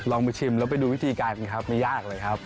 ลองไปชิมแล้วไปดูวิธีการกันครับไม่ยากเลยครับ